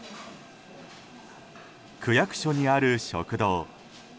区役所にある食堂。